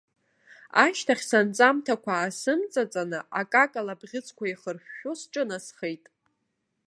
Ашьҭахь санҵамҭақәа аасымҵаҵаны, акакала абӷьыцқәа еихыршәшәо сҿынасхеит.